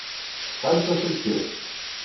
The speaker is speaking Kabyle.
Tesεamt aselkim?